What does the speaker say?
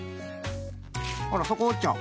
あらそこおっちゃう？